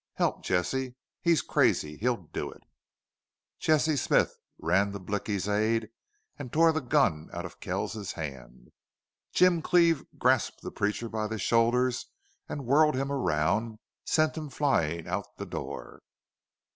Help, Jesse!... He's crazy! He'll do it!" Jesse Smith ran to Blicky's aid and tore the gun out of Kells's hand. Jim Cleve grasped the preacher by the shoulders and, whirling him around, sent him flying out of the door.